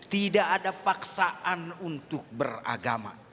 tidak ada paksaan untuk beragama